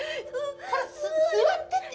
ほらす座ってって。